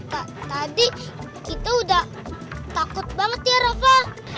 jadi tadi kita sudah takut banget ya raffa